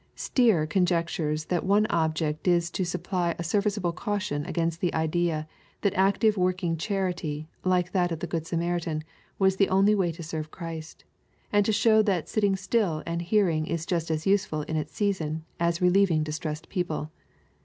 Stier conjectures that one object is to supply a serviceable cau tion against the idea that active working charity, like that of the good Samaritan, was the only way to serve Christy and to show that sitting stiU and hearing is just as useful in its season as relieving distressed people.